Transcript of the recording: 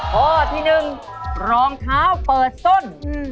ข้อที่๑รองเท้าเปิดส้น